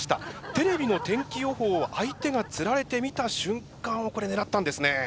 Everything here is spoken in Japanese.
テレビの天気予報を相手がつられて見た瞬間をこれ狙ったんですね。